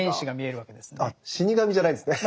死に神じゃないですね。